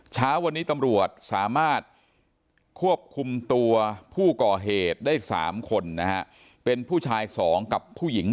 เช้าวันนี้ตำรวจสามารถควบคุมตัวผู้ก่อเหตุได้๓คนนะฮะเป็นผู้ชาย๒กับผู้หญิง